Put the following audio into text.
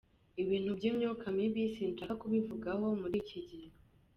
Ibintu by’imyuka mibi sinshaka kubivugaho muri iki gihe”.